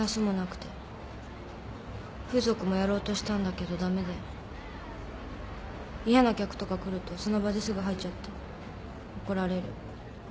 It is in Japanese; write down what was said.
風俗もやろうとしたんだけどダメで嫌な客とか来るとその場ですぐ吐いちゃって怒られる。